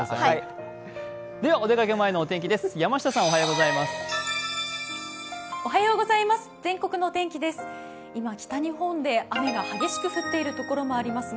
お出かけ前のお天気です。